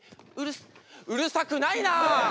うるさくないな！